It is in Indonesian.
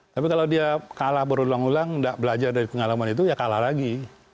tapi kalau dia kalah berulang ulang tidak belajar dari pengalaman itu ya kalah lagi